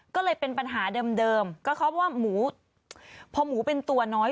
ก็เลยเป็นปัญหาเดิมก็เพราะว่าหมูพอหมูเป็นตัวน้อย